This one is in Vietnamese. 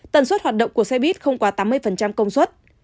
tần suất hoạt động của xe buýt không quá tám mươi công suất